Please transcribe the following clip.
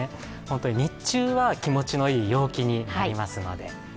日中は気持ちのいい陽気になりますので。